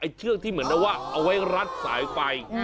เชือกที่เหมือนกับว่าเอาไว้รัดสายไฟ